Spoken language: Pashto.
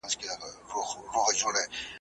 بس دا یوه شپه سره یوازي تر سبا به سو `